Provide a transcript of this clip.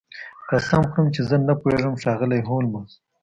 قسم خورم چې زه نه پوهیږم ښاغلی هولمز